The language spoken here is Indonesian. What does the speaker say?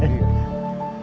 berat dikerjakan iya